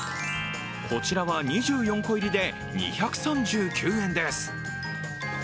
こちらは２４個入りで２３９円です。